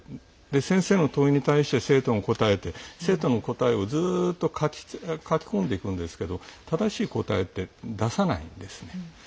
先生の問いに対して生徒も答えて生徒の答えをずっと書き込んでいくんですけど正しい答えって出さないんですね。